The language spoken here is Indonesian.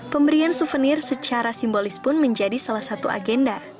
pemberian souvenir secara simbolis pun menjadi salah satu agenda